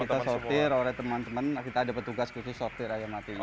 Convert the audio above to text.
kita sopir oleh teman teman kita ada petugas khusus sopir ayam matinya